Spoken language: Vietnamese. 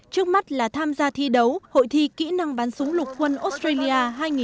trước mắt là tham gia thi đấu hội thi kỹ năng bắn súng lục quân australia hai nghìn hai mươi